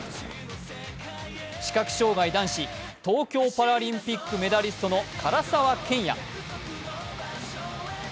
視覚障害・男子、東京パラリンピックメダリストの唐澤剣也。